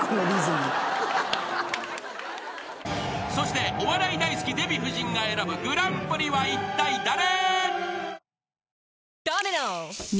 ［そしてお笑い大好きデヴィ夫人が選ぶグランプリはいったい誰？］